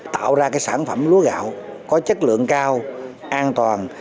tạo ra sản phẩm lúa gạo có chất lượng cao an toàn